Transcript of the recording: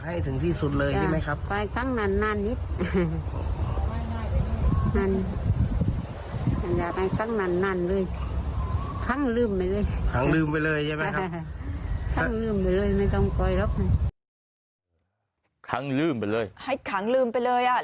ขั้งลืมไปเลยไม่ต้องปล่อยหรอกขั้งลืมไปเลยให้ขั้งลืมไปเลยอ่ะ